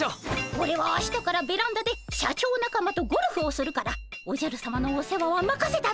オレは明日からベランダで社長仲間とゴルフをするからおじゃるさまのお世話はまかせたぞ。